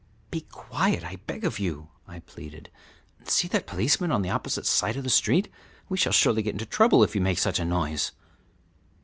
"Be quiet, I beg of you," I pleaded; "see that policeman on the opposite side of the street? We shall surely get into trouble if you make such a noise."